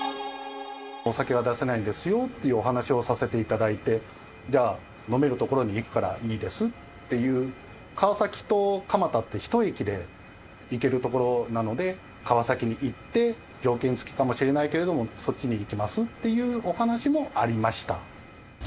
お酒は出せないんですよっていうお話をさせていただいて、じゃあ、飲める所に行くからいいですっていう、川崎と蒲田って、１駅で行ける所なので、川崎に行って、条件付きかもしれないけれども、そっちに行きますっていうお話もありました。